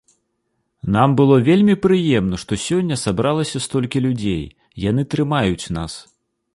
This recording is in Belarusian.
Нам было вельмі прыемна, што сёння сабралася столькі людзей, яны трымаюць нас.